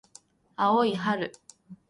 青い春